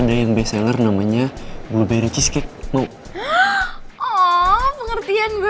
song ini terlihat kayak budak budak dari iphone atau harusnya di kamar